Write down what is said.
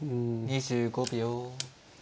２５秒。